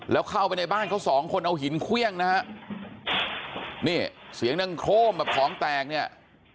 แล้วเข้าไปในบ้านเขาสองคนเอาหินเครื่องนะฮะนี่เสียงดังโครมแบบของแตกเนี่ย